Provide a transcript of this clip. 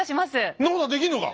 そんなことができんのか！